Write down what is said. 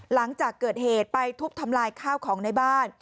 หลังจากเกิดเหตุไปทุบทำลายข้าวของในบ้าน